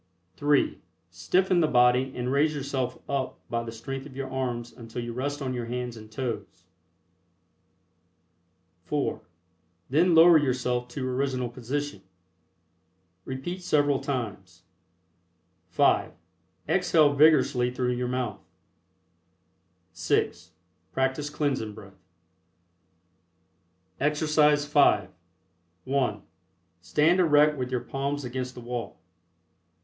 (3) Stiffen the body and raise yourself up by the strength of your arms until you rest on your hands and toes (4) Then lower yourself to original position. Repeat several times. (5) Exhale vigorously through your mouth. (6) Practice Cleansing Breath. EXERCISE V. (1) Stand erect with your palms against the wall.